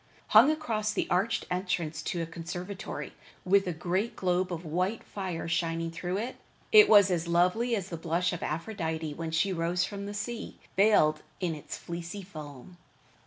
Hung across the arched entrance to a conservatory, with a great globe of white fire shining through it, it was lovely as the blush of Aphrodite when she rose from the sea, veiled in its fleecy foam.